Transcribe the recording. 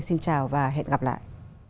xin chào và hẹn gặp lại